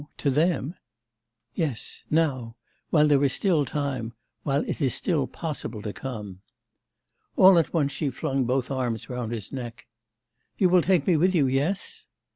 To them?' 'Yes... now, while there is still time, while it is still possible to come.' All at once she flung both arms round his neck, 'You will take me with you, yes?